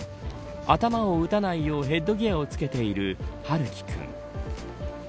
頭を打たないようヘッドギアを着けているハルキ君。